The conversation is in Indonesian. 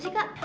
siapa sih kak